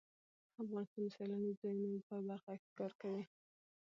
افغانستان د سیلاني ځایونو په برخه کې کار کوي.